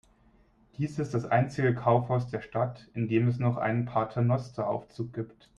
Dies ist das einzige Kaufhaus der Stadt, in dem es noch einen Paternosteraufzug gibt.